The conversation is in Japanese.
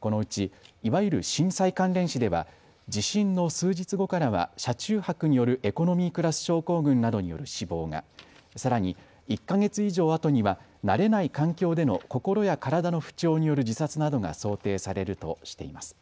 このうち、いわゆる震災関連死では地震の数日後からは車中泊によるエコノミークラス症候群などによる死亡が、さらに１か月以上あとには慣れない環境での心や体の不調による自殺などが想定されるとしています。